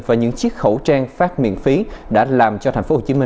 và những chiếc khẩu trang phát miễn phí đã làm cho tp hcm